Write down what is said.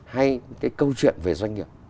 hay cái câu chuyện về doanh nghiệp